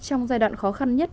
trong giai đoạn khó khăn nhất